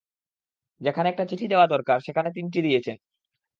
যেখানে একটা চিঠি দেয়া দরকার, সেখানে তিনটি চিঠি দিয়েছেন।